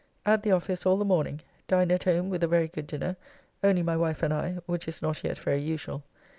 At the office all the morning, dined at home with a very good dinner, only my wife and I, which is not yet very usual.